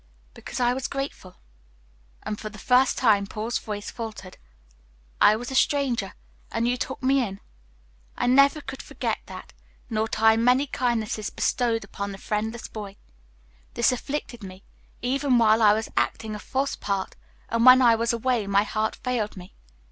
"Because I was grateful," and for the first time Paul's voice faltered. "I was a stranger, and you took me in. I never could forget that, nor tie many kindnesses bestowed upon the friendless boy. This afflicted me, even while I was acting a false part, and when I was away my heart failed me.